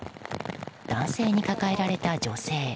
男性に抱えられた女性。